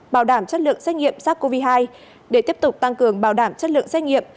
bảo đảm chất lượng xét nghiệm sars cov hai để tiếp tục tăng cường bảo đảm chất lượng xét nghiệm